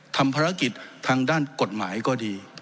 ทำภารกิจทางด้านกฎหมายก็ดี